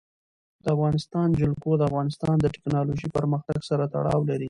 د افغانستان جلکو د افغانستان د تکنالوژۍ پرمختګ سره تړاو لري.